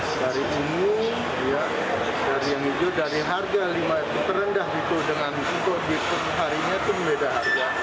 dari ini dari yang hijau dari harga rp lima terendah itu dengan untuk di hari ini itu beda harga